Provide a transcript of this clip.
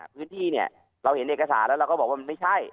พื้นที่เนี่ยเราเห็นเอกสารแล้วเราก็บอกว่ามันไม่ใช่